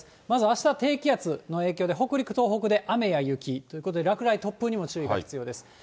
まずあした、寒波の影響で、北陸、東北で雨や雪ということで、落雷、突風にも注意が必要です。